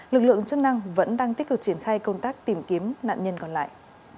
lực lượng chức năng vẫn đang tích cực triển khai công tác tìm kiếm nạn nhân còn lại